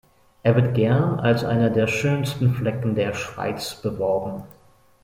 Er wird gern als einer der schönsten Flecken der Schweiz beworben.